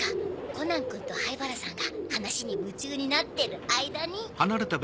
コナンくんと灰原さんが話に夢中になってる間に。